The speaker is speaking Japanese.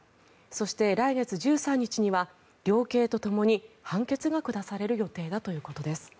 そして、来月１３日には量刑とともに判決が下される予定だということです。